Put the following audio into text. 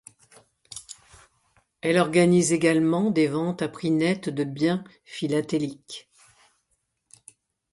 Elle organise également des ventes à prix nets de biens philatéliques.